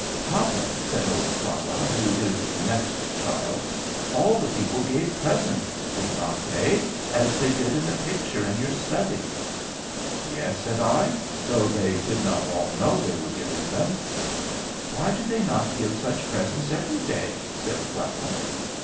"Papa," said old Clara, who is the next child, "all the people gave presents, did not they, as they did in the picture in your study?" "Yes," said I, "though they did not all know they were giving them." "Why do they not give such presents every day?" said Clara.